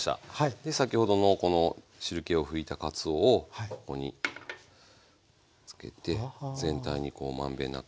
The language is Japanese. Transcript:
先ほどのこの汁けを拭いたかつおをここにつけて全体にこう満遍なくつけていきます。